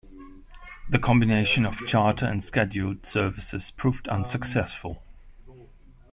The combination of charter and scheduled services proved unsuccessful.